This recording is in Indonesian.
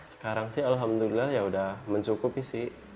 sekarang sih alhamdulillah ya udah mencukupi sih